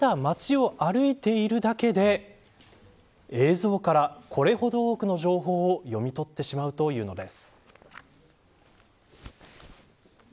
ただ街を歩いているだけで映像から、これほど多くの情報を読み取ってしまうというのです。